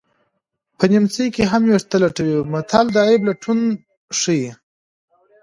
په نیمڅي کې هم ویښته لټوي متل د عیب لټون ښيي